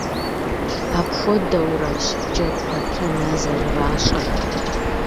Апхуэдэурэщ джэгу пэтрэ нэ зэрыращӏыр.